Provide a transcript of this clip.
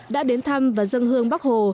đã đến thăm và dân hương bắc hồ